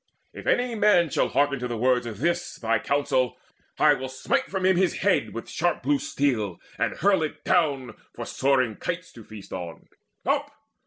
If any man shall hearken to the words Of this thy counsel, I will smite from him His head with sharp blue steel, and hurl it down For soaring kites to feast on. Up!